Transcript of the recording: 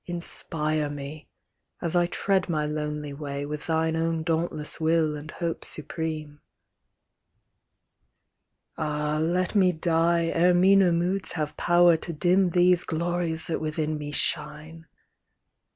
Inspire me, at I tread my lonely way, With thine own dauntless will and hope supreme. Ah, let me die, ere meaner moods have power To dim these glories that within me shine